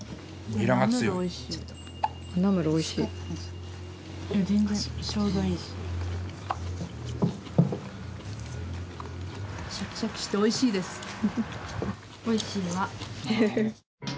おいしいわ。